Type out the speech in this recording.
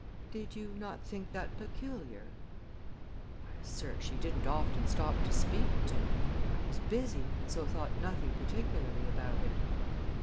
"Did you not think that peculiar?" "Why, sir, she didn't often stop to speak to me. I was busy and so thought nothing particularly about it."